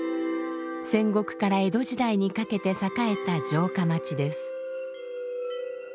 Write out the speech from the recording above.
戦国から江戸時代にかけて栄えた城下町です。